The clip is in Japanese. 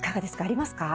ありますか？